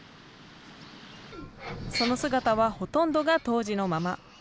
その姿はほとんどが当時のまま。